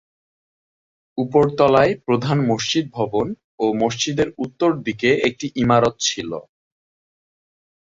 উপরতলায় প্রধান মসজিদ ভবন ও মসজিদের উত্তরদিকে একটি ইমারত ছিল।